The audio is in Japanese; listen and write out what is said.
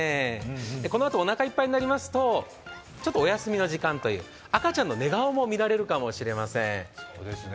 このあとおなかいっぱいになりますとちょっとお休みの時間という赤ちゃんの寝顔も見られるかもしれません。